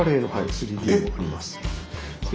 ３Ｄもあります。